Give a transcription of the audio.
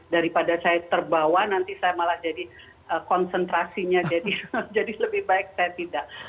daripada saya terbawa nanti saya malah jadi konsentrasinya jadi lebih baik saya tidak